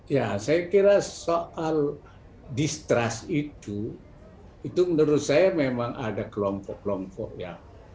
ya saya kira soal distrust itu itu menurut saya memang ada kelompok kelompok yang